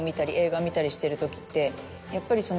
やっぱり。